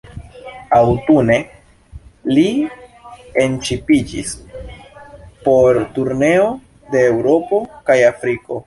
Aŭtune, li enŝipiĝis por turneo de Eŭropo kaj Afriko.